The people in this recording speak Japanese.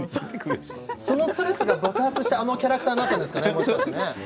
そのストレスが爆発してあのキャラクターになったんですかね。